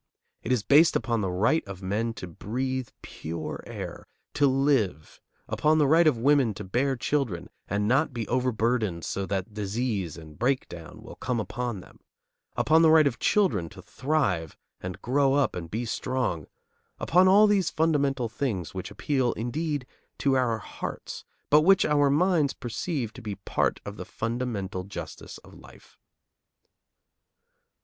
It is based upon the right of men to breathe pure air, to live; upon the right of women to bear children, and not to be overburdened so that disease and breakdown will come upon them; upon the right of children to thrive and grow up and be strong; upon all these fundamental things which appeal, indeed, to our hearts, but which our minds perceive to be part of the fundamental justice of life.